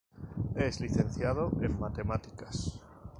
Es licenciado en matemáticas.